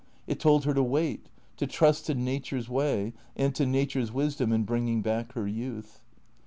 It told her to wait, to trust to Nature's way, and to Nature's wisdom in bringing back her youth.